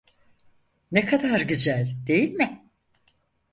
Ne kadar güzel, değil mi?